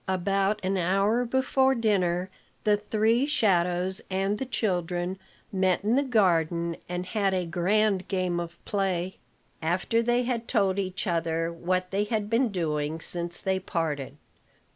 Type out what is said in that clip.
About an hour before dinner, the three shadows and the children met in the garden, and had a grand game of play, after they had told each other what they had been doing since they parted.